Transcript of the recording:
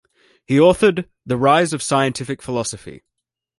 He authored "The Rise of Scientific Philosophy".